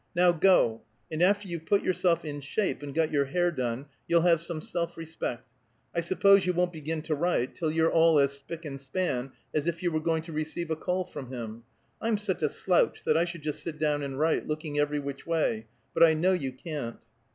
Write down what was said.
"Now go, and after you've put yourself in shape, and got your hair done, you'll have some self respect. I suppose you won't begin to write till you're all as spick and span as if you were going to receive a call from him. I'm such a slouch that I should just sit down and write, looking every which way but I know you can't."